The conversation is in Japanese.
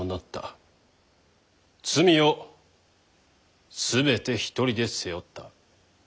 罪を全て一人で背負った。